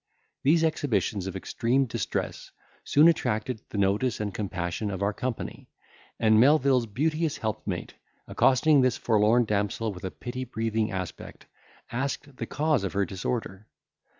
These exhibitions of extreme distress soon attracted the notice and compassion of our company, and Melvil's beauteous help mate, accosting this forlorn damsel with a pity breathing aspect, asked the cause of her disorder.